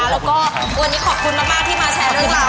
แล้วก็วันนี้ขอบคุณมากที่มาแชร์เรื่องราว